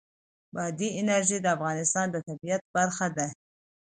بادي انرژي د افغانستان د طبیعت برخه ده.